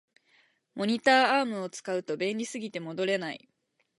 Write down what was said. モニターアームを使うと便利すぎて戻れない